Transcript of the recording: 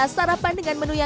sarapan dengan menunya